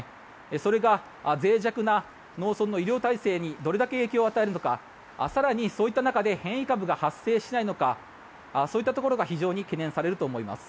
それがぜい弱な農村の医療体制にどれだけ影響を与えるのか更に、そういった中で変異株が発生しないのかそういったところが非常に懸念されると思います。